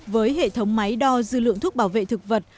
với hệ thống máy đo dư lượng thuốc bảo vệ thực vật